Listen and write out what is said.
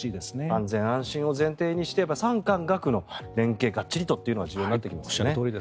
安全安心を前提にして産官学の連携をがっちりとというのが重要になりますね。